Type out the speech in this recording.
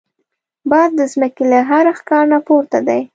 باز د زمکې له هر ښکار نه پورته دی